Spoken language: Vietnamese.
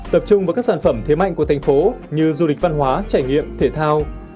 tập trung vào các sản phẩm thế mạnh của thành phố như du lịch văn hóa trải nghiệm thể thao